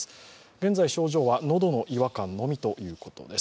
現在、症状は喉の違和感のみということです。